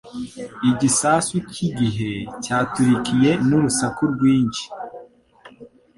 Igisasu cyigihe cyaturikiye n urusaku rwinshi.